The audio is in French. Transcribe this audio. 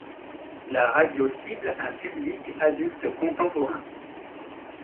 La radio cible un public adulte contemporain.